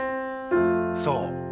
そう。